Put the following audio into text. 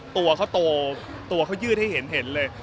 ตัวเขาโตตัวเขายืดให้เห็นเลย